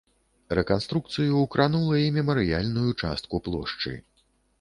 Рэканструкцыю кранула і мемарыяльную частку плошчы.